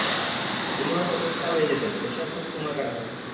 উনি হয়তো পতিতালয়ে যেতেন, বেশ্যার সাথে সময় কাটাতেন।